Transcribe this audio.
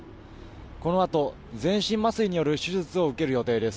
このあと全身麻酔による手術を受ける予定です。